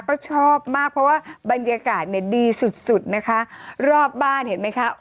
เพราะชอบมากเพราะว่าบรรยากาศเนี่ยดีสุดสุดนะคะรอบบ้านเห็นไหมคะ